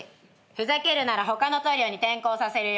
ふざけるなら他のトリオに転こうさせるよ。